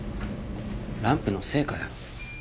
ランプの精かよ。